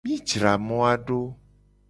Mi jra moa do.